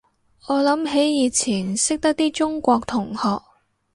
我諗起以前識得啲中國同學